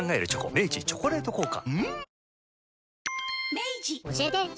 明治「チョコレート効果」